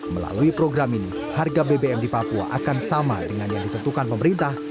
melalui program ini harga bbm di papua akan sama dengan yang ditentukan pemerintah